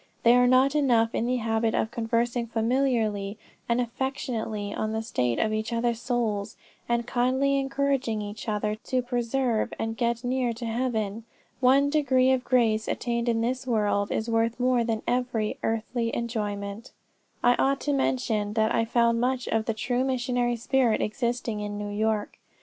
They are not enough in the habit of conversing familiarly and affectionately on the state of each others' souls, and kindly encouraging each other to persevere and get near to heaven. One degree of grace attained in this world, is worth more than every earthly enjoyment." "I ought to have mentioned that I found much of the true missionary spirit existing in New York.